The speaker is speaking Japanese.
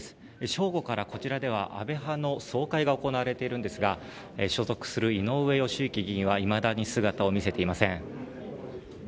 正午からこちらでは安倍派の総会が行われているんですが所属する井上義行議員はいまだに姿を見せていません。